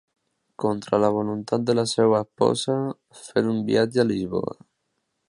Contra la voluntat de la seva esposa, fer un viatge a Lisboa.